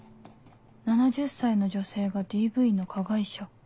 ７０歳の女性が ＤＶ の加害者？